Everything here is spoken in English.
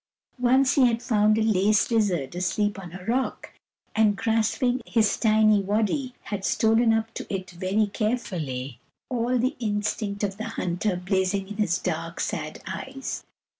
Once he had found a lace lizard asleep on a rock, and, grasping his tiny waddy, had stolen up to it very carefully, all the instinct of the hunter blaz ing in his dark, sad eyes.